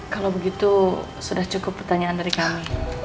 kalau begitu sudah cukup pertanyaan dari kami